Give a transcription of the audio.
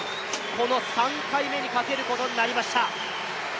この３回目にかけることになりました。